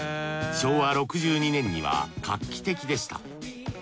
昭和６２年には画期的でした。